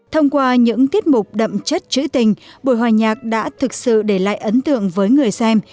thông qua những tiết mục đậm chất chữ tình buổi hòa nhạc đã thực sự để lại ấn tượng với người xem